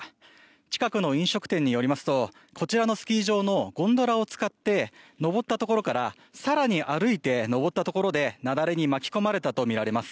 近くの飲食店によりますとこちらのスキー場のゴンドラを使って上ったところから更に歩いて上ったところで雪崩に巻き込まれたとみています。